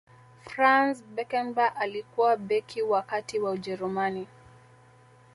franz beckenbauer alikuwa beki wa kati wa ujerumani